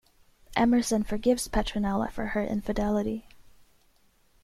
Emerson forgives Petronella for her infidelity.